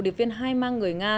điệp viên hai mang người nga